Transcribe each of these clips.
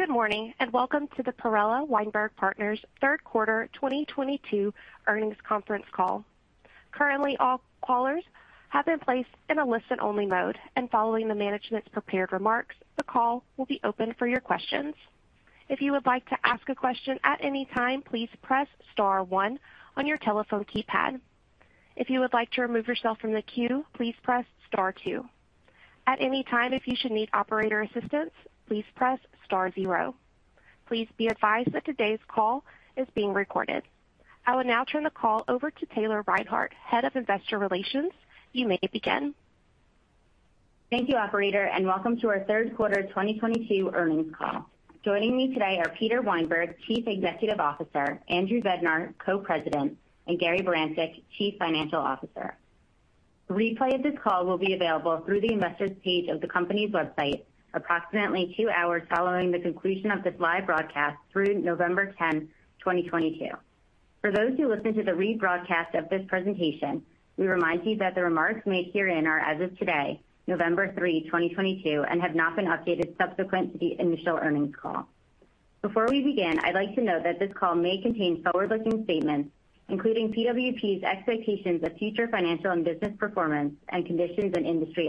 Good morning, and welcome to the Perella Weinberg Partners third quarter 2022 earnings conference call. Currently, all callers have been placed in a listen-only mode, and following the management's prepared remarks, the call will be open for your questions. If you would like to ask a question at any time, please press star one on your telephone keypad. If you would like to remove yourself from the queue, please press star two. At any time, if you should need operator assistance, please press star zero. Please be advised that today's call is being recorded. I will now turn the call over to Taylor Reinhardt, Head of Investor Relations. You may begin. Thank you, operator, and welcome to our third quarter 2022 earnings call. Joining me today are Peter Weinberg, Chief Executive Officer, Andrew Bednar, Co-President, and Gary Barancik, Chief Financial Officer. A replay of this call will be available through the Investors page of the company's website approximately two hours following the conclusion of this live broadcast through November 10, 2022. For those who listen to the rebroadcast of this presentation, we remind you that the remarks made herein are as of today, November 3, 2022, and have not been updated subsequent to the initial earnings call. Before we begin, I'd like to note that this call may contain forward-looking statements, including PWP's expectations of future financial and business performance and conditions and industry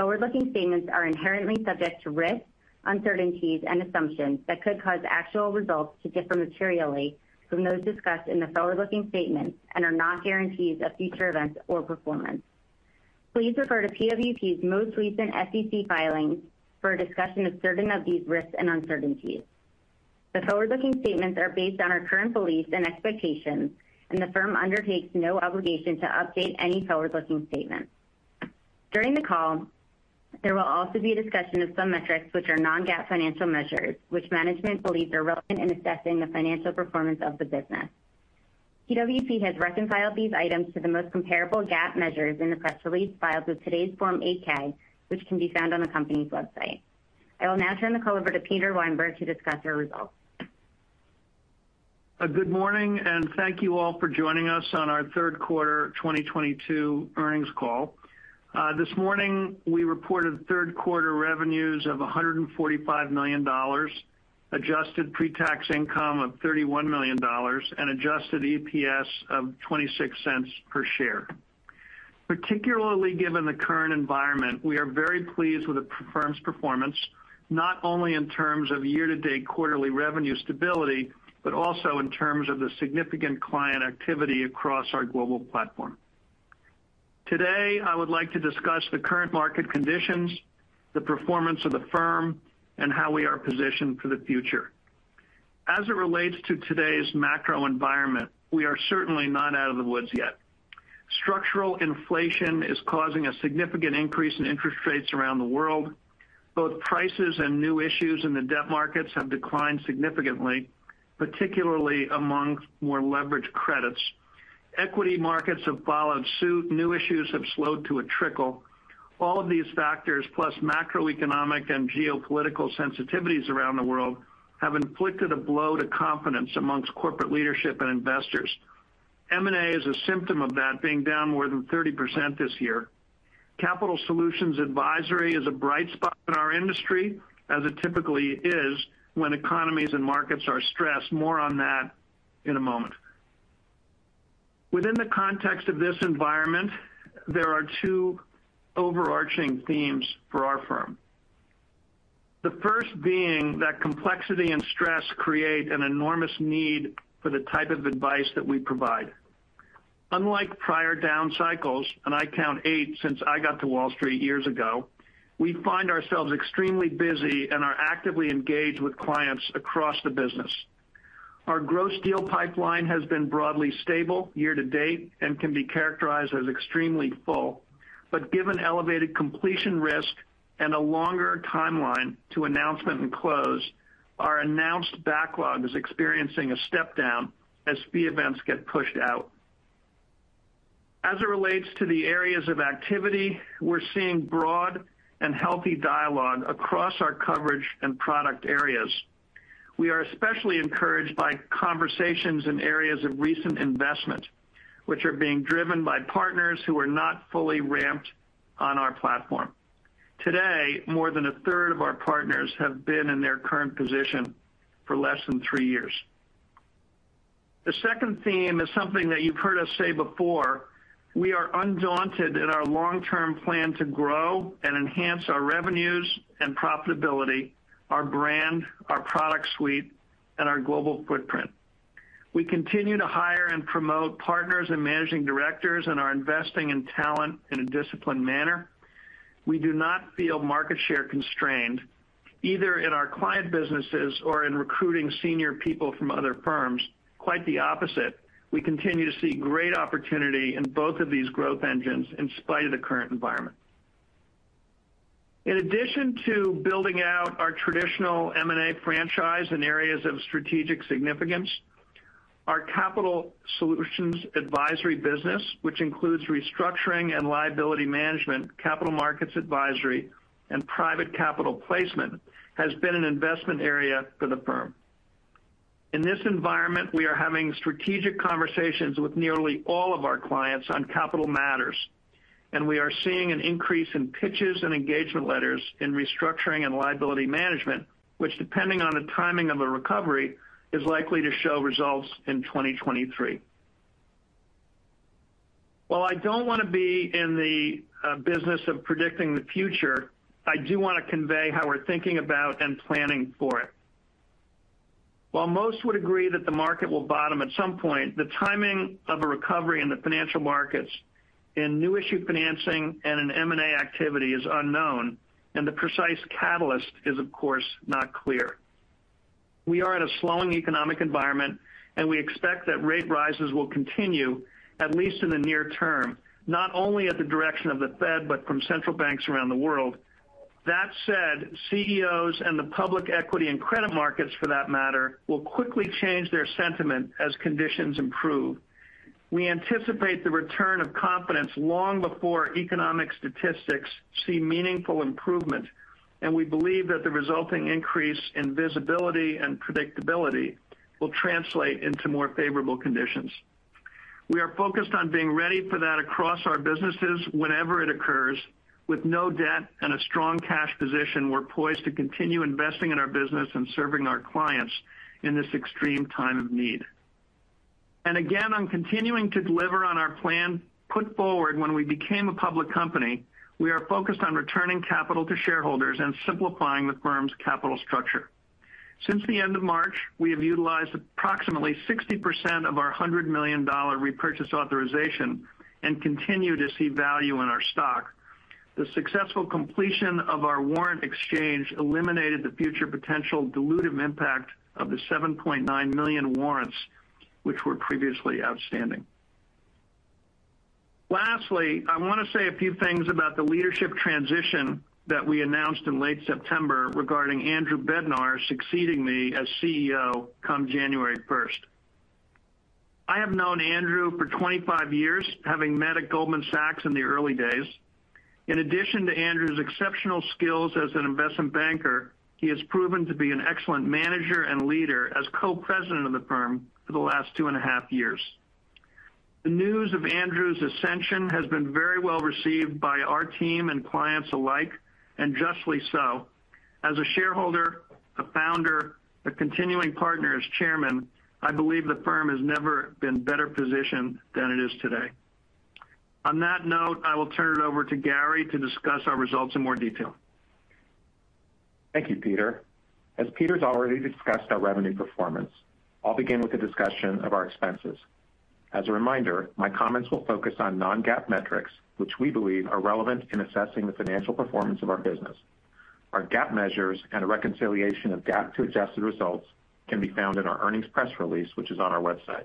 outlook. Forward-looking statements are inherently subject to risks, uncertainties, and assumptions that could cause actual results to differ materially from those discussed in the forward-looking statements and are not guarantees of future events or performance. Please refer to PWP's most recent SEC filings for a discussion of certain of these risks and uncertainties. The forward-looking statements are based on our current beliefs and expectations, and the firm undertakes no obligation to update any forward-looking statement. During the call, there will also be a discussion of some metrics which are non-GAAP financial measures, which management believes are relevant in assessing the financial performance of the business. PWP has reconciled these items to the most comparable GAAP measures in the press release filed with today's Form 8-K, which can be found on the company's website. I will now turn the call over to Peter Weinberg to discuss our results. Good morning, and thank you all for joining us on our third quarter 2022 earnings call. This morning we reported third quarter revenues of $145 million, adjusted pre-tax income of $31 million, and adjusted EPS of $0.26 per share. Particularly given the current environment, we are very pleased with the firm's performance, not only in terms of year-to-date quarterly revenue stability, but also in terms of the significant client activity across our global platform. Today, I would like to discuss the current market conditions, the performance of the firm, and how we are positioned for the future. As it relates to today's macro environment, we are certainly not out of the woods yet. Structural inflation is causing a significant increase in interest rates around the world. Both prices and new issues in the debt markets have declined significantly, particularly among more leveraged credits. Equity markets have followed suit. New issues have slowed to a trickle. All of these factors, plus macroeconomic and geopolitical sensitivities around the world, have inflicted a blow to confidence among corporate leadership and investors. M&A is a symptom of that being down more than 30% this year. Capital Solutions Advisory is a bright spot in our industry, as it typically is when economies and markets are stressed. More on that in a moment. Within the context of this environment, there are two overarching themes for our firm. The first being that complexity and stress create an enormous need for the type of advice that we provide. Unlike prior down cycles, and I count eight since I got to Wall Street years ago, we find ourselves extremely busy and are actively engaged with clients across the business. Our gross deal pipeline has been broadly stable year to date and can be characterized as extremely full. Given elevated completion risk and a longer timeline to announcement and close, our announced backlog is experiencing a step down as fee events get pushed out. As it relates to the areas of activity, we're seeing broad and healthy dialogue across our coverage and product areas. We are especially encouraged by conversations in areas of recent investment, which are being driven by partners who are not fully ramped on our platform. Today, more than 1/3 of our partners have been in their current position for less than three years. The second theme is something that you've heard us say before: We are undaunted in our long-term plan to grow and enhance our revenues and profitability, our brand, our product suite, and our global footprint. We continue to hire and promote partners and managing directors and are investing in talent in a disciplined manner. We do not feel market share constrained either in our client businesses or in recruiting senior people from other firms. Quite the opposite. We continue to see great opportunity in both of these growth engines in spite of the current environment. In addition to building out our traditional M&A franchise in areas of strategic significance, our Capital Solutions Advisory business, which includes restructuring and liability management, capital markets advisory, and private capital placement, has been an investment area for the firm. In this environment, we are having strategic conversations with nearly all of our clients on capital matters, and we are seeing an increase in pitches and engagement letters in restructuring and liability management, which depending on the timing of a recovery, is likely to show results in 2023. While I don't wanna be in the business of predicting the future, I do wanna convey how we're thinking about and planning for it. While most would agree that the market will bottom at some point, the timing of a recovery in the financial markets in new issue financing and in M&A activity is unknown, and the precise catalyst is, of course, not clear. We are in a slowing economic environment, and we expect that rate rises will continue at least in the near term, not only at the direction of the Fed, but from central banks around the world. That said, CEOs and the public equity and credit markets, for that matter, will quickly change their sentiment as conditions improve. We anticipate the return of confidence long before economic statistics see meaningful improvement, and we believe that the resulting increase in visibility and predictability will translate into more favorable conditions. We are focused on being ready for that across our businesses whenever it occurs. With no debt and a strong cash position, we're poised to continue investing in our business and serving our clients in this extreme time of need. Again, on continuing to deliver on our plan put forward when we became a public company, we are focused on returning capital to shareholders and simplifying the firm's capital structure. Since the end of March, we have utilized approximately 60% of our $100 million repurchase authorization and continue to see value in our stock. The successful completion of our warrant exchange eliminated the future potential dilutive impact of the 7.9 million warrants, which were previously outstanding. Lastly, I wanna say a few things about the leadership transition that we announced in late September regarding Andrew Bednar succeeding me as CEO come January first. I have known Andrew for 25 years, having met at Goldman Sachs in the early days. In addition to Andrew's exceptional skills as an investment banker, he has proven to be an excellent manager and leader as Co-President of the firm for the last 2.5 years. The news of Andrew's ascension has been very well received by our team and clients alike, and justly so. As a shareholder, a founder, a continuing partner, as chairman, I believe the firm has never been better positioned than it is today. On that note, I will turn it over to Gary to discuss our results in more detail. Thank you, Peter. As Peter's already discussed our revenue performance, I'll begin with a discussion of our expenses. As a reminder, my comments will focus on non-GAAP metrics, which we believe are relevant in assessing the financial performance of our business. Our GAAP measures and a reconciliation of GAAP to adjusted results can be found in our earnings press release, which is on our website.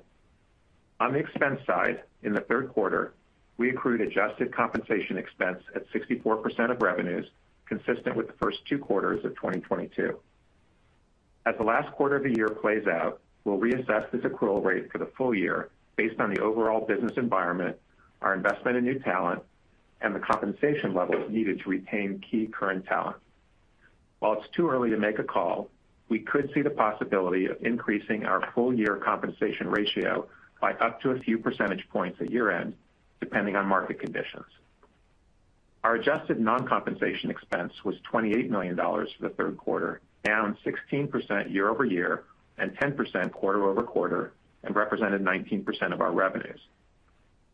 On the expense side, in the third quarter, we accrued adjusted compensation expense at 64% of revenues, consistent with the first two quarters of 2022. As the last quarter of the year plays out, we'll reassess this accrual rate for the full year based on the overall business environment, our investment in new talent, and the compensation levels needed to retain key current talent. While it's too early to make a call, we could see the possibility of increasing our full year compensation ratio by up to a few percentage points at year-end, depending on market conditions. Our adjusted non-compensation expense was $28 million for the third quarter, down 16% year-over-year and 10% quarter-over-quarter and represented 19% of our revenues.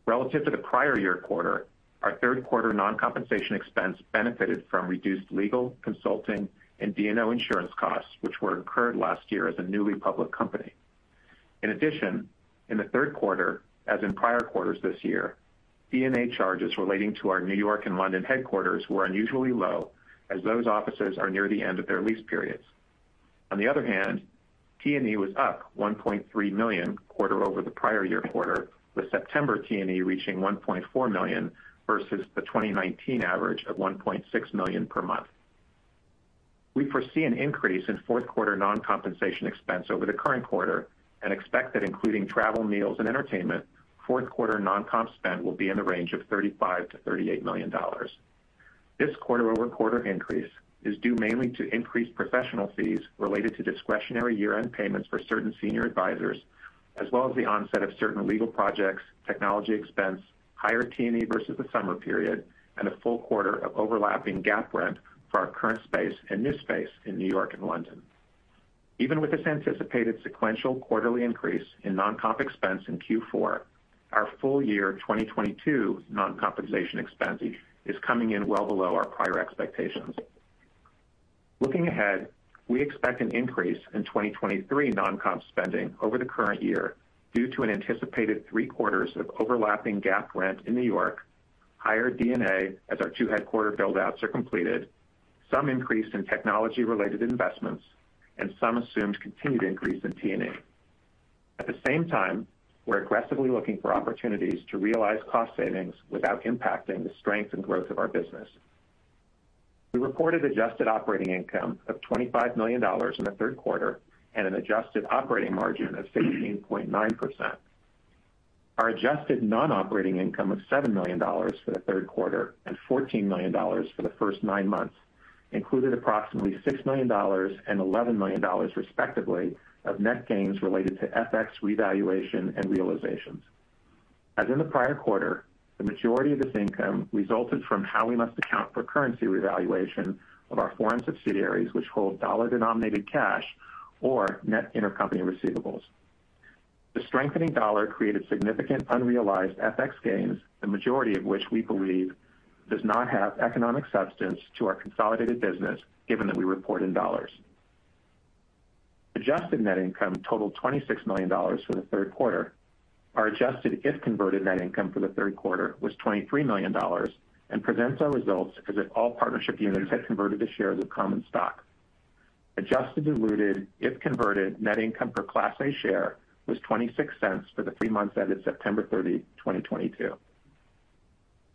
Relative to the prior year quarter, our third quarter non-compensation expense benefited from reduced legal, consulting, and D&O insurance costs, which were incurred last year as a newly public company. In addition, in the third quarter, as in prior quarters this year, D&A charges relating to our New York and London headquarters were unusually low as those offices are near the end of their lease periods. On the other hand, T&E was up $1.3 million quarter-over-quarter from the prior year quarter, with September T&E reaching $1.4 million versus the 2019 average of $1.6 million per month. We foresee an increase in fourth quarter non-compensation expense over the current quarter and expect that including travel, meals, and entertainment, fourth quarter non-comp spend will be in the range of $35 million-$38 million. This quarter-over-quarter increase is due mainly to increased professional fees related to discretionary year-end payments for certain senior advisors, as well as the onset of certain legal projects, technology expense, higher T&E versus the summer period, and a full quarter of overlapping GAAP rent for our current space and new space in New York and London. Even with this anticipated sequential quarterly increase in non-comp expense in Q4, our full year 2022 non-compensation expense is coming in well below our prior expectations. Looking ahead, we expect an increase in 2023 non-comp spending over the current year due to an anticipated three-quarters of overlapping GAAP rent in New York, higher D&A as our two headquarter build-outs are completed, some increase in technology-related investments, and some assumed continued increase in T&E. At the same time, we're aggressively looking for opportunities to realize cost savings without impacting the strength and growth of our business. We reported adjusted operating income of $25 million in the third quarter and an adjusted operating margin of 16.9%. Our adjusted non-operating income of $7 million for the third quarter and $14 million for the first nine months included approximately $6 million and $11 million, respectively, of net gains related to FX revaluation and realizations. As in the prior quarter, the majority of this income resulted from how we must account for currency revaluation of our foreign subsidiaries, which hold dollar-denominated cash or net intercompany receivables. The strengthening dollar created significant unrealized FX gains, the majority of which we believe does not have economic substance to our consolidated business given that we report in dollars. Adjusted net income totaled $26 million for the third quarter. Our adjusted if converted net income for the third quarter was $23 million and presents our results as if all partnership units had converted to shares of common stock. Adjusted and diluted if converted net income per Class A share was $0.26 for the three months ended September 30, 2022.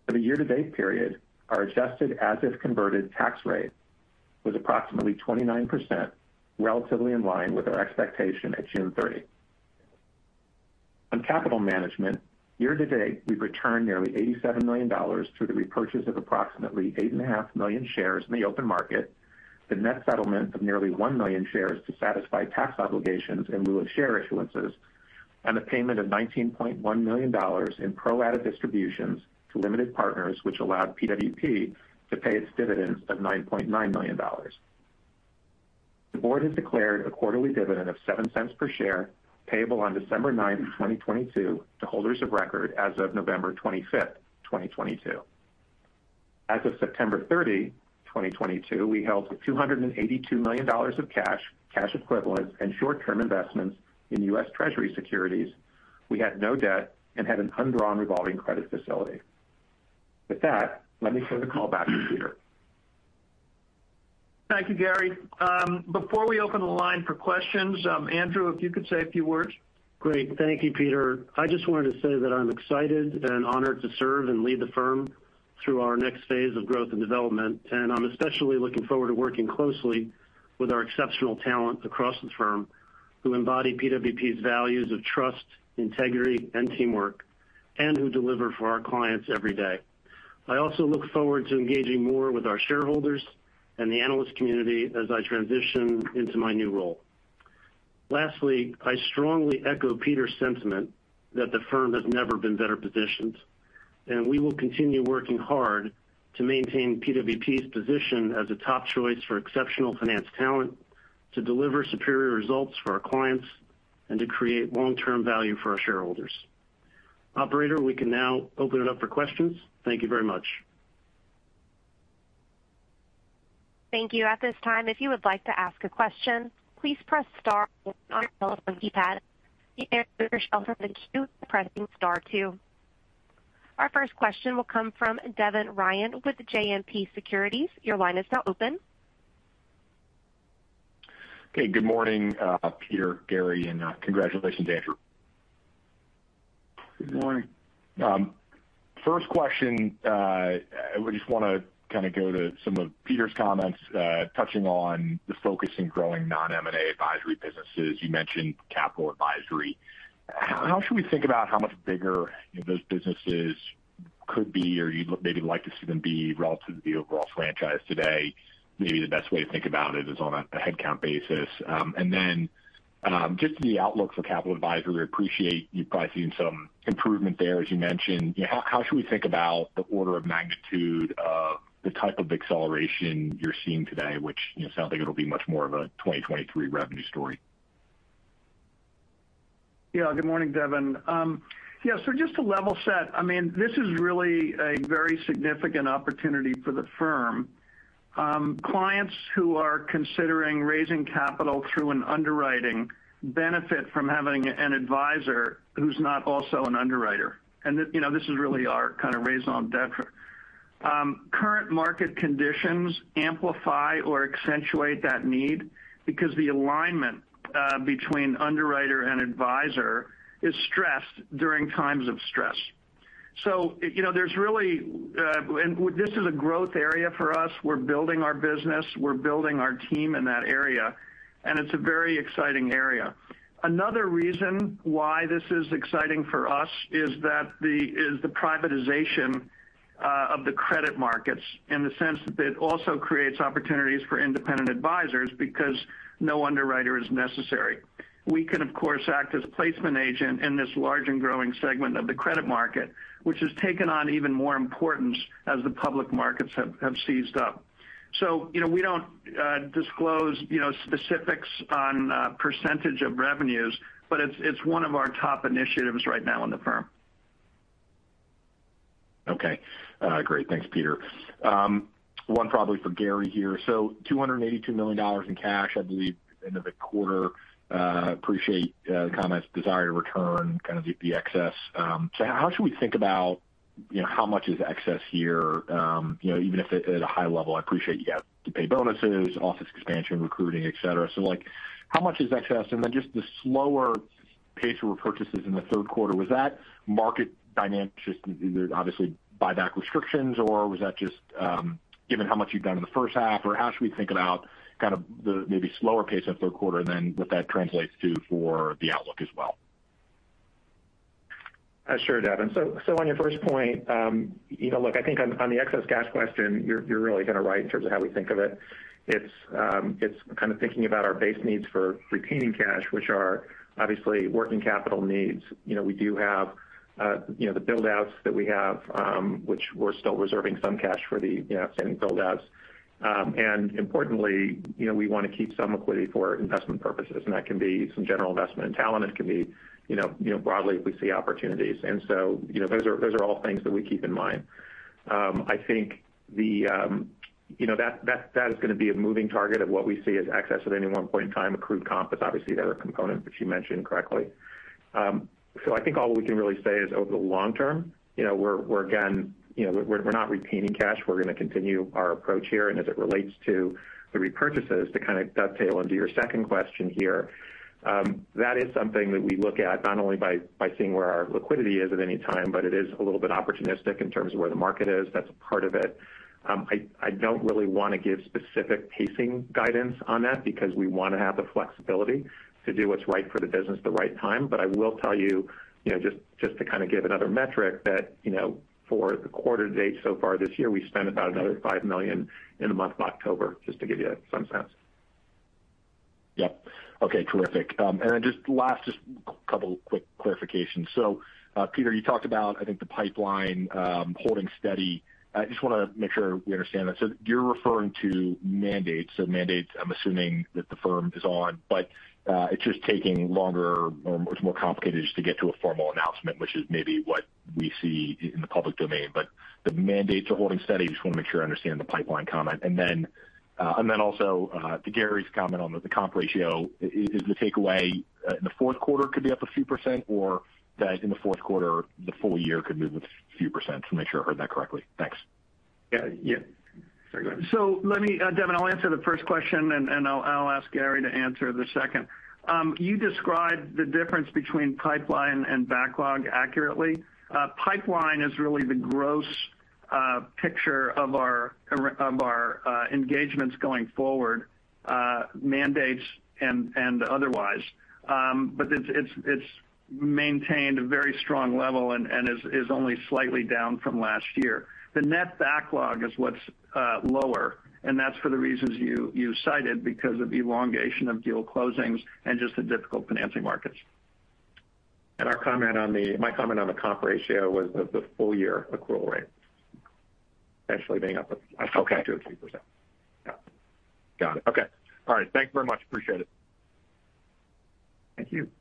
For the year-to-date period, our adjusted as if converted tax rate was approximately 29%, relatively in line with our expectation at June 30. On capital management, year-to-date, we've returned nearly $87 million through the repurchase of approximately 8.5 million shares in the open market, the net settlement of nearly 1 million shares to satisfy tax obligations in lieu of share issuances, and the payment of $19.1 million in pro rata distributions to limited partners, which allowed PWP to pay its dividends of $9.9 million. The board has declared a quarterly dividend of $0.07 per share payable on December 9th, 2022 to holders of record as of November 25th, 2022. As of September 30, 2022, we held $282 million of cash equivalents and short-term investments in U.S. Treasury securities. We had no debt and had an undrawn revolving credit facility. With that, let me turn the call back to Peter. Thank you, Gary. Before we open the line for questions, Andrew, if you could say a few words. Great. Thank you, Peter. I just wanted to say that I'm excited and honored to serve and lead the firm through our next phase of growth and development. I'm especially looking forward to working closely with our exceptional talent across the firm who embody PWP's values of trust, integrity, and teamwork, and who deliver for our clients every day. I also look forward to engaging more with our shareholders and the analyst community as I transition into my new role. Lastly, I strongly echo Peter's sentiment that the firm has never been better positioned, and we will continue working hard to maintain PWP's position as a top choice for exceptional finance talent, to deliver superior results for our clients, and to create long-term value for our shareholders. Operator, we can now open it up for questions. Thank you very much. Thank you. At this time, if you would like to ask a question, please press star on your telephone keypad. To withdraw yourself from the queue, pressing star two. Our first question will come from Devin Ryan with JMP Securities. Your line is now open. Okay, good morning, Peter, Gary, and congratulations, Andrew. Good morning. First question, I just wanna kind of go to some of Peter's comments, touching on the focus in growing non-M&A advisory businesses. You mentioned capital advisory. How should we think about how much bigger those businesses could be or you'd maybe like to see them be relative to the overall franchise today? Maybe the best way to think about it is on a headcount basis. Just the outlook for capital advisory. Appreciate you've probably seen some improvement there, as you mentioned. How should we think about the order of magnitude of the type of acceleration you're seeing today, which sounds like it'll be much more of a 2023 revenue story. Yeah. Good morning, Devin. Just to level set, I mean, this is really a very significant opportunity for the firm. Clients who are considering raising capital through an underwriting benefit from having an advisor who's not also an underwriter. You know, this is really our kind of raison d'être. Current market conditions amplify or accentuate that need because the alignment between underwriter and advisor is stressed during times of stress. You know, there's really, and this is a growth area for us. We're building our business, we're building our team in that area, and it's a very exciting area. Another reason why this is exciting for us is that is the privatization of the credit markets in the sense that it also creates opportunities for independent advisors because no underwriter is necessary. We can of course act as placement agent in this large and growing segment of the credit market, which has taken on even more importance as the public markets have seized up. You know, we don't disclose, you know, specifics on percentage of revenues, but it's one of our top initiatives right now in the firm. Okay. Great. Thanks, Peter. One probably for Gary here. $282 million in cash, I believe, end of the quarter. Appreciate the comments, desire to return kind of the excess. How should we think about, you know, how much is excess here? You know, even if it's at a high level, I appreciate you have to pay bonuses, office expansion, recruiting, et cetera. Like, how much is excess? Then just the slower pace repurchases in the third quarter, was that market dynamic, just obviously buyback restrictions, or was that just given how much you've done in the first half? Or how should we think about kind of the maybe slower pace in the third quarter than what that translates to for the outlook as well? Sure, Devin. So on your first point, you know, look, I think on the excess cash question, you're really kinda right in terms of how we think of it. It's kind of thinking about our base needs for retaining cash, which are obviously working capital needs. You know, we do have, you know, the build-outs that we have, which we're still reserving some cash for the, you know, same build-outs. Importantly, you know, we wanna keep some equity for investment purposes, and that can be some general investment in talent. It can be, you know, broadly if we see opportunities. You know, those are all things that we keep in mind. I think you know, that is gonna be a moving target of what we see as excess at any one point in time. Accrued comp is obviously another component which you mentioned correctly. I think all we can really say is over the long term, you know, we're again, you know, we're not retaining cash. We're gonna continue our approach here. As it relates to the repurchases, to kinda dovetail into your second question here, that is something that we look at not only by seeing where our liquidity is at any time, but it is a little bit opportunistic in terms of where the market is. That's a part of it. I don't really wanna give specific pacing guidance on that because we wanna have the flexibility to do what's right for the business at the right time. I will tell you know, just to kinda give another metric that, you know, for the quarter to date so far this year, we spent about another $5 million in the month of October, just to give you some sense. Yep. Okay, terrific. Just last couple quick clarifications. Peter, you talked about, I think, the pipeline holding steady. I just wanna make sure we understand that. You're referring to mandates. Mandates I'm assuming that the firm is on, but it's just taking longer or it's more complicated just to get to a formal announcement, which is maybe what we see in the public domain. The mandates are holding steady. Just wanna make sure I understand the pipeline comment. To Gary's comment on the comp ratio, is the takeaway in the fourth quarter could be up a few percent, or that in the fourth quarter the full year could move a few percent? Just wanna make sure I heard that correctly. Thanks. Yeah. Sorry, go ahead. Devin, I'll answer the first question, and I'll ask Gary to answer the second. You described the difference between pipeline and backlog accurately. Pipeline is really the gross picture of our engagements going forward, mandates and otherwise. But it's maintained a very strong level and is only slightly down from last year. The net backlog is what's lower, and that's for the reasons you cited because of elongation of deal closings and just the difficult financing markets. My comment on the comp ratio was the full year accrual rate actually being up a- Okay. 2%-3%. Yeah. Got it. Okay. All right. Thank you very much. Appreciate it. Thank you.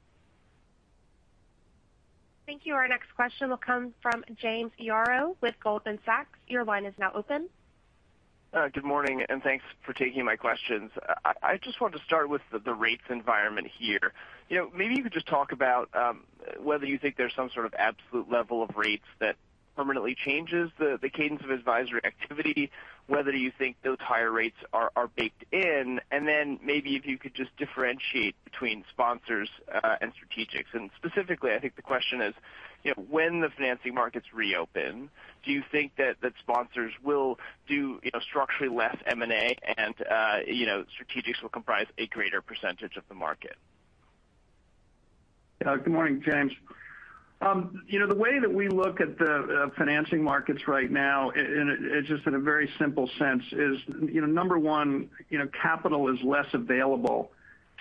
Thank you. Our next question will come from James Yaro with Goldman Sachs. Your line is now open. Good morning, and thanks for taking my questions. I just wanted to start with the rates environment here. You know, maybe you could just talk about whether you think there's some sort of absolute level of rates that permanently changes the cadence of advisory activity, whether you think those higher rates are baked in, and then maybe if you could just differentiate between sponsors and strategics. Specifically, I think the question is, you know, when the financing markets reopen, do you think that the sponsors will do, you know, structurally less M&A and, you know, strategics will comprise a greater percentage of the market? Yeah. Good morning, James. You know, the way that we look at the financing markets right now in just a very simple sense is you know, number one, you know, capital is less available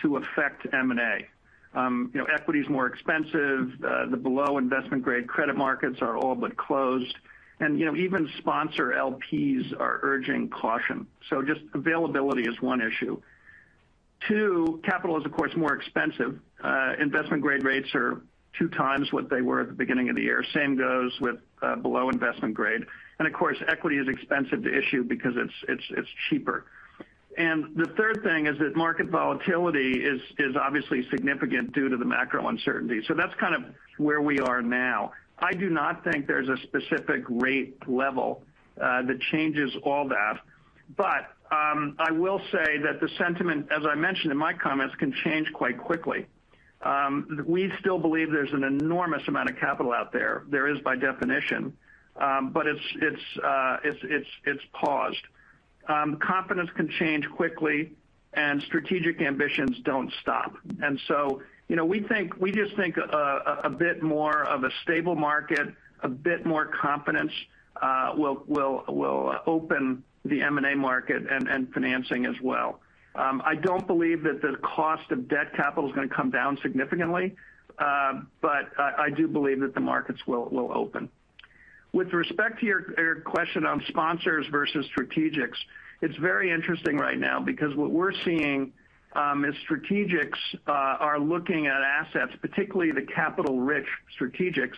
to affect M&A. You know, equity is more expensive. The below-investment-grade credit markets are all but closed. You know, even sponsor LPs are urging caution. Just availability is one issue. Two, capital is, of course more expensive. Investment grade rates are two times what they were at the beginning of the year. Same goes with below-investment-grade. Of course, equity is expensive to issue because it's cheaper. The third thing is that market volatility is obviously significant due to the macro uncertainty. That's kind of where we are now. I do not think there's a specific rate level that changes all that. I will say that the sentiment, as I mentioned in my comments, can change quite quickly. We still believe there's an enormous amount of capital out there. There is by definition, but it's paused. Confidence can change quickly and strategic ambitions don't stop. You know, we think, we just think a bit more of a stable market, a bit more confidence will open the M&A market and financing as well. I don't believe that the cost of debt capital is gonna come down significantly, but I do believe that the markets will open. With respect to your question on sponsors versus strategics, it's very interesting right now because what we're seeing is strategics are looking at assets, particularly the capital-rich strategics.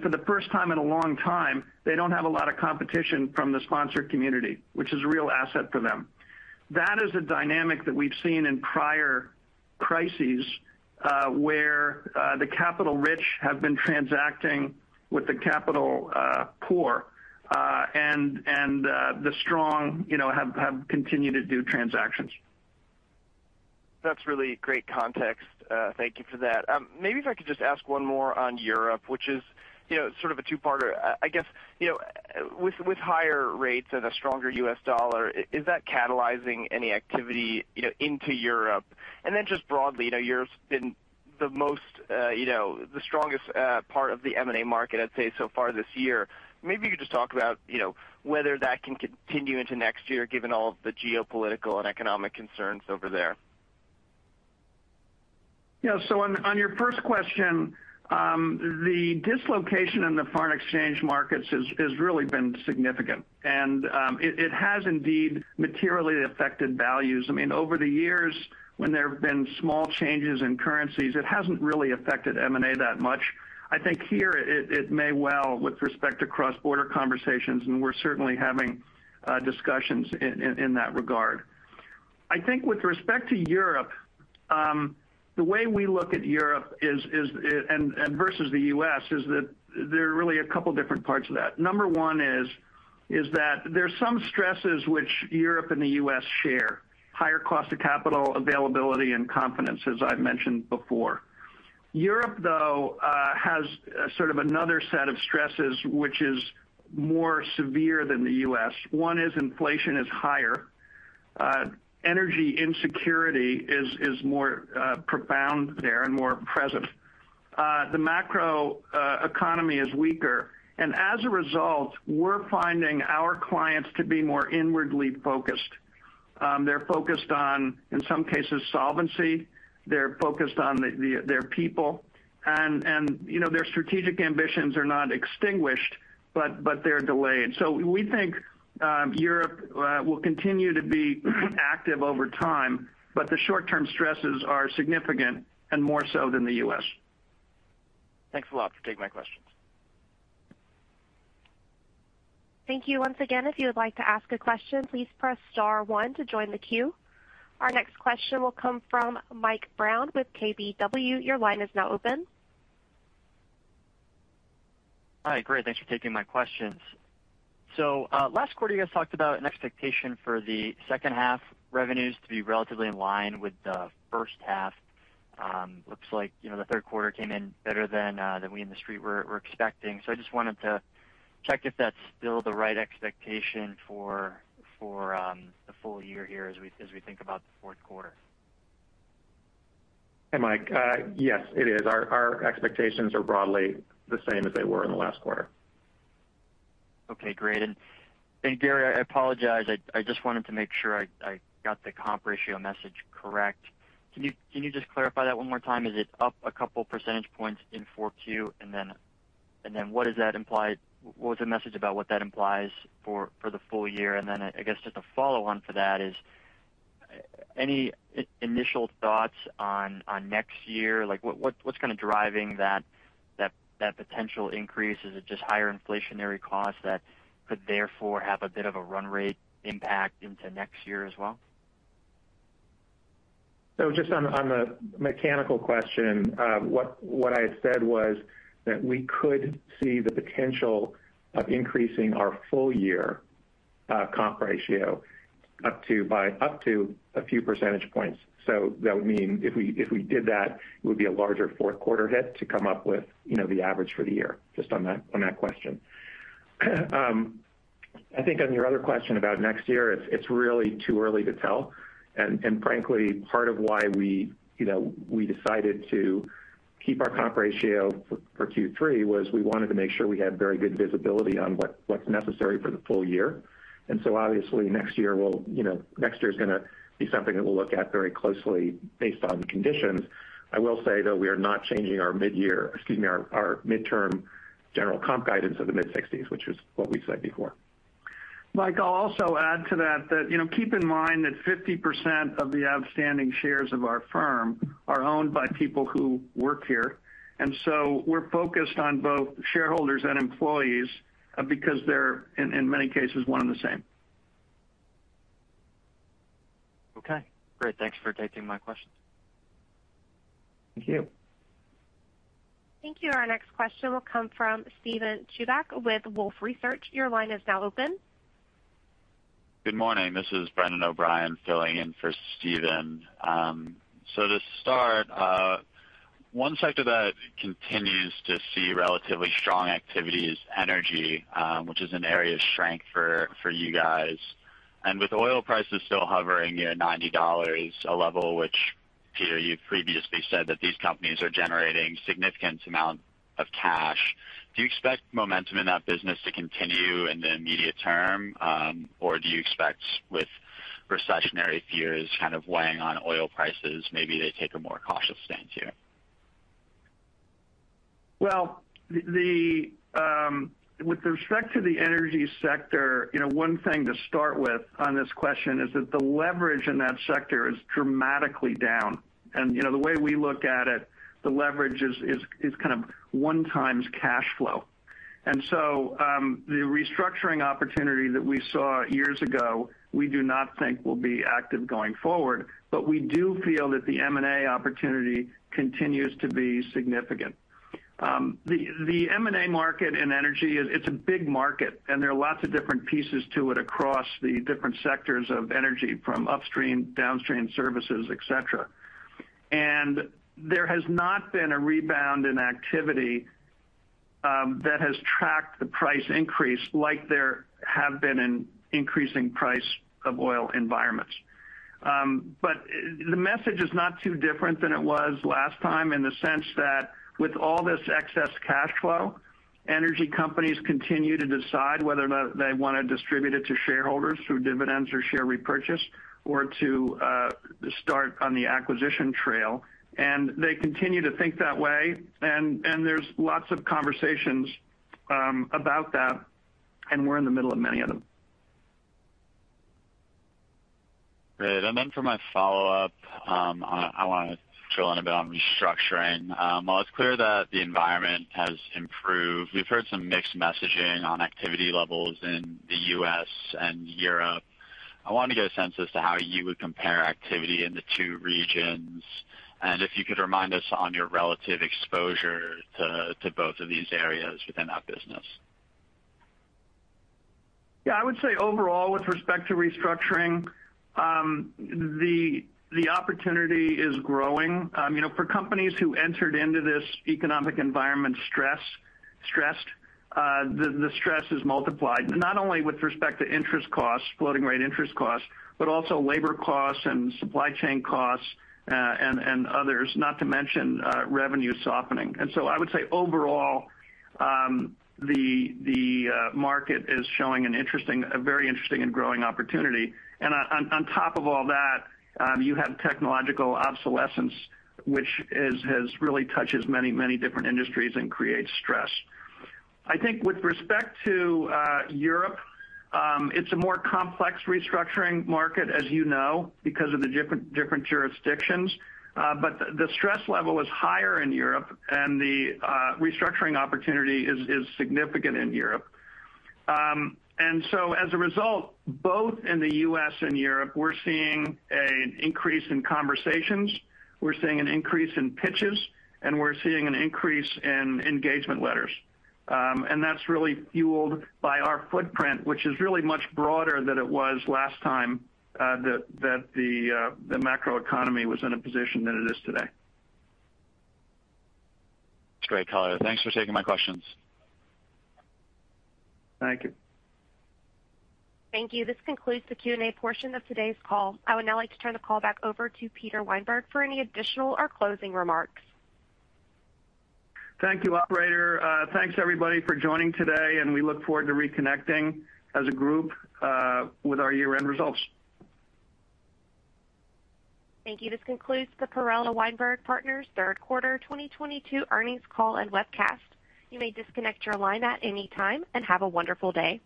For the first time in a long time, they don't have a lot of competition from the sponsor community, which is a real asset for them. That is a dynamic that we've seen in prior crises where the capital rich have been transacting with the capital poor and the strong, you know, have continued to do transactions. That's really great context. Thank you for that. Maybe if I could just ask one more on Europe, which is You know, sort of a two-parter. I guess, you know, with higher rates and a stronger U.S. dollar, is that catalyzing any activity, you know, into Europe? Just broadly, you know, Europe's been the strongest part of the M&A market, I'd say, so far this year. Maybe you could just talk about, you know, whether that can continue into next year, given all of the geopolitical and economic concerns over there. Yeah. On your first question, the dislocation in the foreign exchange markets has really been significant. It has indeed materially affected values. I mean, over the years, when there have been small changes in currencies, it hasn't really affected M&A that much. I think here it may well with respect to cross-border transactions, and we're certainly having discussions in that regard. I think with respect to Europe, the way we look at Europe is, and versus the U.S., is that there are really a couple different parts of that. Number one is that there's some stresses which Europe and the U.S. share, higher cost of capital availability and confidence, as I've mentioned before. Europe, though, has sort of another set of stresses which is more severe than the U.S. One is inflation is higher. Energy insecurity is more profound there and more present. The macro economy is weaker. As a result, we're finding our clients to be more inwardly focused. They're focused on, in some cases, solvency. They're focused on their people. You know, their strategic ambitions are not extinguished, but they're delayed. We think Europe will continue to be active over time, but the short-term stresses are significant and more so than the U.S. Thanks a lot for taking my questions. Thank you. Once again, if you would like to ask a question, please press star one to join the queue. Our next question will come from Michael Brown with KBW. Your line is now open. Hi. Great. Thanks for taking my questions. Last quarter, you guys talked about an expectation for the second half revenues to be relatively in line with the first half. Looks like, you know, the third quarter came in better than we in the street were expecting. I just wanted to check if that's still the right expectation for the full year here as we think about the fourth quarter. Hey, Mike. Yes, it is. Our expectations are broadly the same as they were in the last quarter. Okay, great. Gary, I apologize. I just wanted to make sure I got the comp ratio message correct. Can you just clarify that one more time? Is it up a couple percentage points in 4Q? What does that imply, what was the message about what that implies for the full year? I guess just a follow-on for that is, any initial thoughts on next year? Like, what's kind of driving that potential increase? Is it just higher inflationary costs that could therefore have a bit of a run rate impact into next year as well? Just on the mechanical question, what I had said was that we could see the potential of increasing our full year comp ratio by up to a few percentage points. That would mean if we did that, it would be a larger fourth quarter hit to come up with, you know, the average for the year, just on that question. I think on your other question about next year, it's really too early to tell. And frankly, part of why we, you know, we decided to keep our comp ratio for Q3 was we wanted to make sure we had very good visibility on what's necessary for the full year. Obviously next year, you know, is gonna be something that we'll look at very closely based on conditions. I will say, though, we are not changing our midterm general comp guidance of the mid-sixties, which is what we said before. Mike, I'll also add to that, you know, keep in mind that 50% of the outstanding shares of our firm are owned by people who work here. We're focused on both shareholders and employees, because they're, in many cases, one and the same. Okay, great. Thanks for taking my questions. Thank you. Thank you. Our next question will come from Steven Chubak with Wolfe Research. Your line is now open. Good morning. This is Brendan O'Brien filling in for Steven. To start, one sector that continues to see relatively strong activity is energy, which is an area of strength for you guys. With oil prices still hovering near $90, a level which, Peter, you previously said that these companies are generating significant amount of cash, do you expect momentum in that business to continue in the immediate term? Do you expect with recessionary fears kind of weighing on oil prices, maybe they take a more cautious stance here? Well, with respect to the energy sector, you know, one thing to start with on this question is that the leverage in that sector is dramatically down. You know, the way we look at it, the leverage is kind of 1x cash flow. The restructuring opportunity that we saw years ago, we do not think will be active going forward, but we do feel that the M&A opportunity continues to be significant. The M&A market in energy, it's a big market, and there are lots of different pieces to it across the different sectors of energy from upstream, downstream services, et cetera. There has not been a rebound in activity that has tracked the price increase like there have been in increasing price of oil environments. The message is not too different than it was last time in the sense that with all this excess cash flow, energy companies continue to decide whether or not they wanna distribute it to shareholders through dividends or share repurchase or to start on the acquisition trail. They continue to think that way. There's lots of conversations about that, and we're in the middle of many of them. Great. For my follow-up, I wanna drill in a bit on restructuring. While it's clear that the environment has improved, we've heard some mixed messaging on activity levels in the U.S. and Europe. I wanna get a sense as to how you would compare activity in the two regions, and if you could remind us on your relative exposure to both of these areas within that business. Yeah, I would say overall with respect to restructuring, the opportunity is growing. You know, for companies who entered into this economic environment stressed, the stress is multiplied, not only with respect to interest costs, floating-rate interest costs, but also labor costs and supply chain costs, and others, not to mention revenue softening. I would say overall, the market is showing a very interesting and growing opportunity. On top of all that, you have technological obsolescence, which really touches many different industries and creates stress. I think with respect to Europe, it's a more complex restructuring market, as you know, because of the different jurisdictions. The stress level is higher in Europe and the restructuring opportunity is significant in Europe. As a result, both in the U.S. and Europe, we're seeing an increase in conversations. We're seeing an increase in pitches, and we're seeing an increase in engagement letters. That's really fueled by our footprint, which is really much broader than it was last time that the macroeconomy was in a position that it is today. That's great, color. Thanks for taking my questions. Thank you. Thank you. This concludes the Q&A portion of today's call. I would now like to turn the call back over to Peter Weinberg for any additional or closing remarks. Thank you, operator. Thanks everybody for joining today, and we look forward to reconnecting as a group, with our year-end results. Thank you. This concludes the Perella Weinberg Partners third quarter 2022 earnings call and webcast. You may disconnect your line at any time, and have a wonderful day.